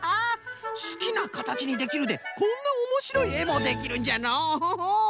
「すきなかたちにできる」でこんなおもしろいえもできるんじゃのう。